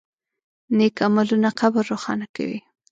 نیک عملونه قبر روښانه کوي.